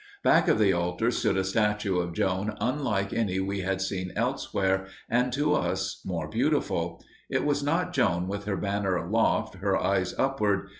Back of the altar stood a statue of Joan unlike any we had seen elsewhere, and to us more beautiful. It was not Joan with her banner aloft, her eyes upward.